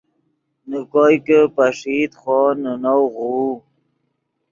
نے کوئے کہ پݰئیت خوو نے نؤ غوؤ